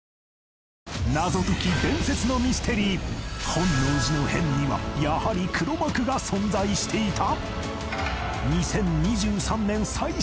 本能寺の変にはやはり黒幕が存在していた！？